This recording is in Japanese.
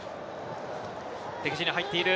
敵陣に入っている。